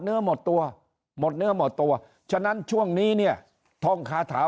เนื้อหมดตัวหมดเนื้อหมดตัวฉะนั้นช่วงนี้เนี่ยท่องคาถา